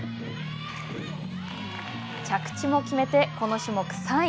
着地も決めてこの種目３位。